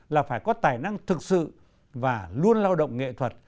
là phải có tài năng thực sự và luôn lao động nghệ thuật